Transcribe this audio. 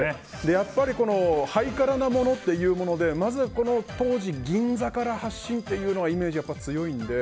やっぱりハイカラなものというのでまずは当時銀座から発信っていうのはイメージが強いので。